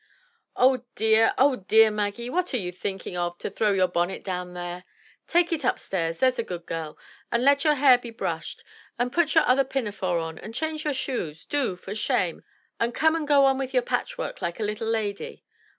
"Oh dear, oh dear, Maggie, what are you thinkin' of, to throw your bonnet down there? Take it upstairs, there's a good gell, an' let your hair be brushed, an' put your other pinafore on, an' change your shoes, do, for shame, an' come an' go on with your patchwork like a little lady."